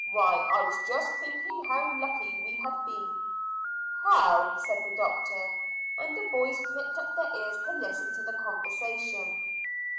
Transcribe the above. "Why, I was just thinking how lucky we had been." "How?" said the doctor, and the boys pricked up their ears to listen to the conversation.